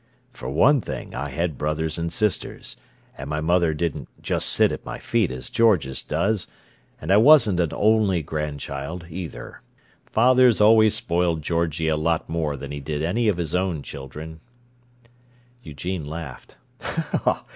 "For one thing, I had brothers and sisters, and my mother didn't just sit at my feet as George's does; and I wasn't an only grandchild, either. Father's always spoiled Georgie a lot more than he did any of his own children." Eugene laughed.